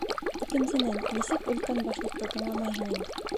Икенсенән, нисек Өлкән Башлыҡты тыңламайһың инде!